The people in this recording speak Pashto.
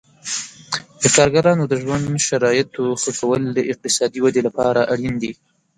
د کارګرانو د ژوند شرایطو ښه کول د اقتصادي ودې لپاره اړین دي.